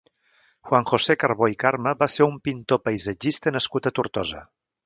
Juan José Carbó i Carme va ser un pintor paisatgista nascut a Tortosa.